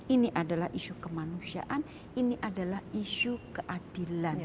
ini adalah issue kemanusiaan ini adalah issue keadilan